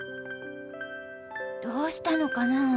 どうしたのかなぁ。